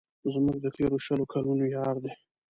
زموږ د تېرو شلو کلونو یار دی.